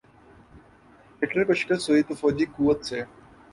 Hitler کو شکست ہوئی تو فوجی قوت سے۔